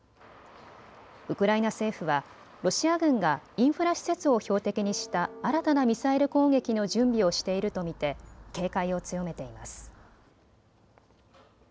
ウクライナ政府はロシア軍がインフラ施設を標的にした新たなミサイル攻撃の準備をしていると見て警戒を強めています。